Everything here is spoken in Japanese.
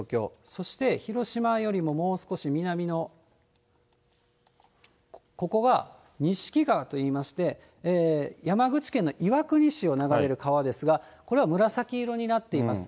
そして、広島よりももう少し南のここが錦川といいまして、山口県の岩国市を流れる川ですが、これは紫色になっています。